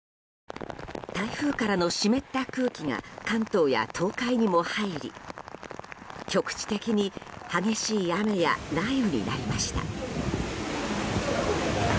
台風からの湿った空気が関東や東海にも入り局地的に激しい雨や雷雨になりました。